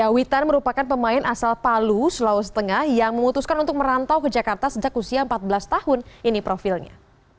witan merupakan pemain asal palu sulawesi tengah yang memutuskan untuk merantau ke jakarta sejak usia empat belas tahun ini profilnya